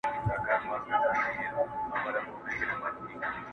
دښاغلی جهانی صاحب دغه شعر؛